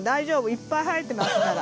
いっぱい生えてますから。